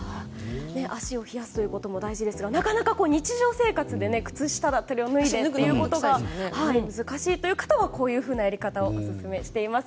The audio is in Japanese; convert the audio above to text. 足を冷やすことも大事ですがなかなか日常生活で靴下を脱いでということが難しいという方はこういうふうなやり方をオススメしています。